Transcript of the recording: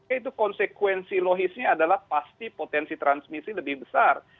itu konsekuensi logisnya adalah pasti potensi transmisi lebih besar